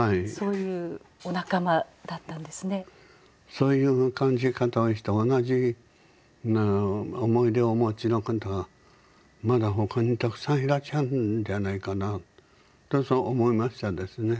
そういう感じ方をした同じ思い出をお持ちの方はまだほかにたくさんいらっしゃるんじゃないかなと思いましたですね。